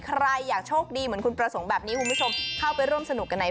ใครอยากโชคดีเหมือนคุณประสงค์แบบนี้คุณผู้ชมเข้าไปร่วมสนุกกันใน